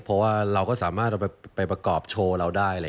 เพราะว่าเราก็สามารถเอาไปประกอบโชว์เราได้